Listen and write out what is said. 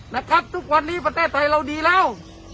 นะครับทุกวันนี้ประเทศไทยเราดีแล้ว